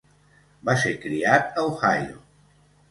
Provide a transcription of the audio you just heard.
Va ser criat a Ohio.